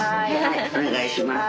お願いします。